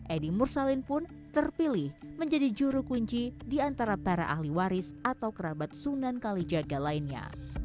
edi mursalin pun terpilih menjadi juru kunci di antara para ahli waris atau kerabat sunan kalijaga lainnya